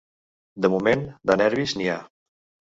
De moment, de nervis n’hi ha.